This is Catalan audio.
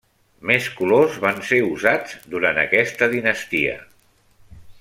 Més colors van ser usats durant aquesta dinastia.